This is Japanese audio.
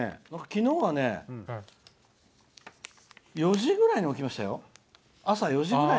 昨日は４時ぐらいに起きましたよ。